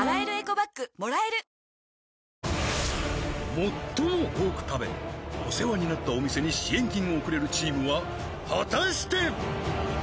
最も多く食べお世話になったお店に支援金を贈れるチームは果たして？